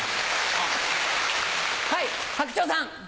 はい白鳥さん。